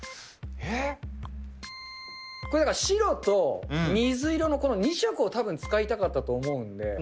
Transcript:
えっ、これ、だから、白と水色のこの２色を使いたかったと思うんで。